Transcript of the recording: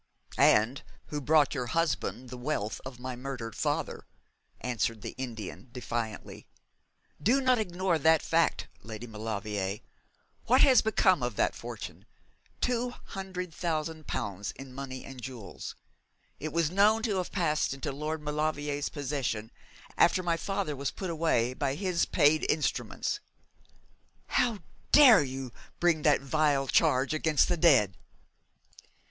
'And who brought your husband the wealth of my murdered father,' answered the Indian, defiantly. 'Do not ignore that fact, Lady Maulevrier. What has become of that fortune two hundred thousand pounds in money and jewels. It was known to have passed into Lord Maulevrier's possession after my father was put away by his paid instruments. 'How dare you bring that vile charge against the dead?'